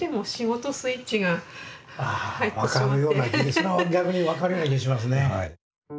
それは逆に分かるような気がしますね。